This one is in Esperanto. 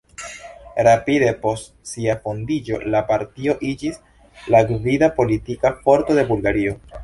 Rapide post sia fondiĝo la partio iĝis la gvida politika forto de Bulgario.